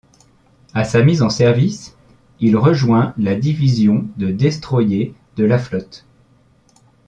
À sa mise en service, il rejoint la division de destroyers de la flotte.